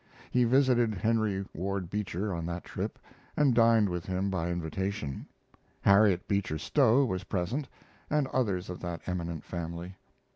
He visited Henry Ward Beecher on that trip and dined with him by invitation. Harriet Beecher Stowe was present, and others of that eminent family.